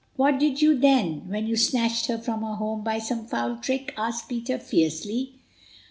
"What did you, then, when you snatched her from her home by some foul trick?" asked Peter fiercely.